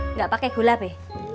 nggak pake gula be